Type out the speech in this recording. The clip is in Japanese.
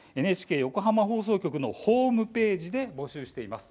ＮＨＫ横浜放送局のホームページで募集しています。